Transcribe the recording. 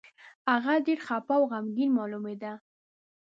هغه ډېر خپه او غمګين مالومېده.